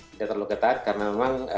tidak terlalu ketat karena memang